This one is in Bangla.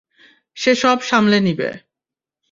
সে সব সামলে নিবে।